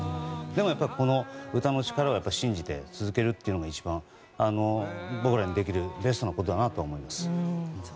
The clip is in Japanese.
でもやっぱり歌の力を信じて続けるというのが一番、僕らにできるベストなことだなと思います。